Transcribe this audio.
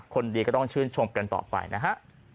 คนดีก็ต้องชื่นชมกันต่อไปนะฮะ